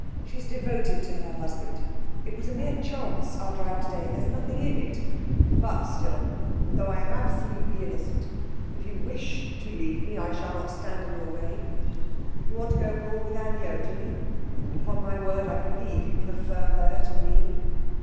She's devoted to her husband. It was a mere chance, our drive today there's nothing in it. But still, though I'm absolutely innocent, if you wish to leave me, I shall not stand in your way. You want to go abroad with Anne Yeo, do you? Upon my word, I believe you prefer her to me!'